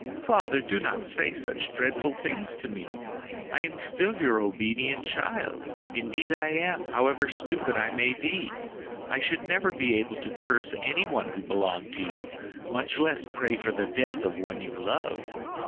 father! do not say such dreadful things to me. I am still your obedient child. Indeed, I am. However stupid I may be, I should never be able to curse any one who belonged to you, much less pray for the death of one you love.